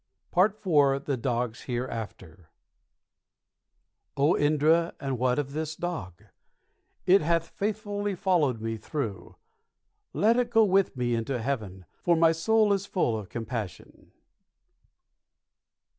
PART IV THE DOG'S HEREAFTER _Oh, Indra, and what of this dog? It hath faithfully followed me through; Let it go with me into Heaven, for my soul is full of compassion.